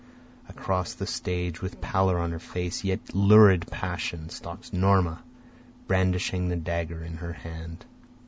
Across the stage with pallor on her face, yet lurid passion, Stalks Norma brandishing the dagger in her hand.